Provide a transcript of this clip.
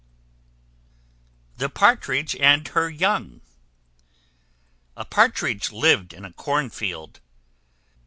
THE PARTRIDGE AND HER YOUNG. A Partridge lived in a corn field.